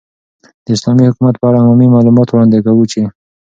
، داسلامې حكومت په اړه عمومي معلومات وړاندي كوو چې